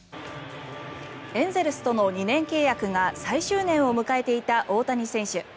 エンゼルスとの２年契約が最終年を迎えていた大谷選手。